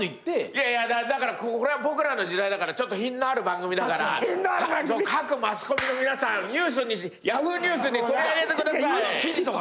いやいやだからこれは『ボクらの時代』だから品のある番組だから各マスコミの皆さんＹａｈｏｏ！ニュースに取り上げてください。